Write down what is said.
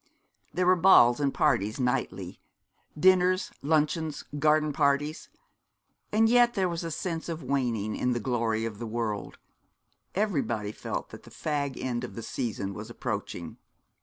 There were balls and parties nightly, dinners, luncheons, garden parties; and yet there was a sense of waning in the glory of the world everybody felt that the fag end of the season was approaching.